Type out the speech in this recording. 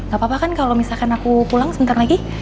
gapapa kan kalo misalkan aku pulang sebentar lagi